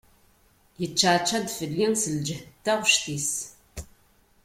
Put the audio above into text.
Yeččaɛčaɛ-d fell-i s lǧehd n taɣect-is.